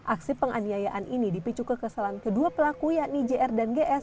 aksi penganiayaan ini dipicu kekesalan kedua pelaku yakni jr dan gs